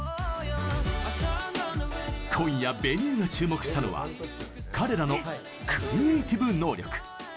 今夜「Ｖｅｎｕｅ」が注目したのは彼らのクリエイティブ能力。